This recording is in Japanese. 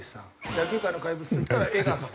野球界の怪物といったら江川さんですから。